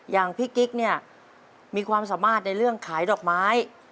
อย่างพี่กิ๊กเนี่ยมีความสามารถในเรื่องขายดอกไม้